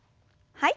はい。